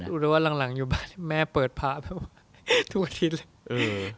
รู้หรือว่าหลังอยู่บ้านแม่เปิดพระทุกอาทิตย์